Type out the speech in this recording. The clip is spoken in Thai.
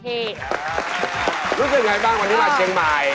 รู้สึกยังไงบ้างวันนี้มาเชียงใหม่